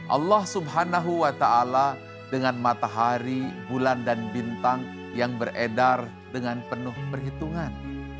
allah subhanahu wa ta'ala dengan matahari bulan dan bintang yang beredar dengan penuh perhitungan